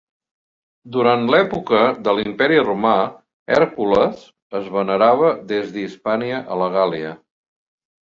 Durant l'època de l'Imperi romà, Hèrcules es venerava des d'Hispània a la Gàl·lia.